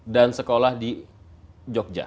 dan sekolah di jogja